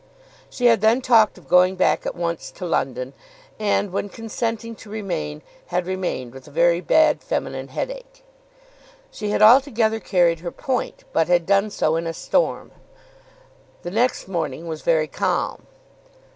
She had then talked of going back at once to London, and when consenting to remain, had remained with a very bad feminine headache. She had altogether carried her point, but had done so in a storm. The next morning was very calm.